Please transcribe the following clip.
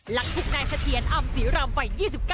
หลังถูกนายเสถียรอำศรีรำวัย๒๙